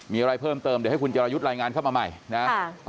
มีอะไรเพิ่มเติมเดี๋ยวให้คุณจิรายุทธ์รายงานเข้ามาใหม่นะ